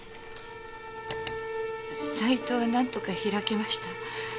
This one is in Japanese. サイトはなんとか開けました。